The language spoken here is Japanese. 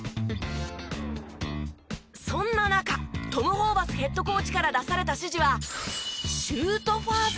そんな中トム・ホーバスヘッドコーチから出された指示は。